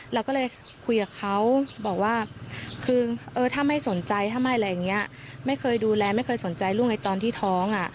เราก็เลยคุยกับเขาบอกว่าคือเออถ้าไม่สนใจถ้าไม่อะไรอย่างนี้ไม่เคยดูแลไม่เคยสนใจลูกไอ้ตอนที่ท้องอ่ะ